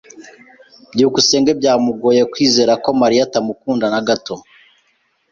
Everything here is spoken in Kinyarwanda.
byukusenge byamugoye kwizera ko Mariya atamukunda na gato.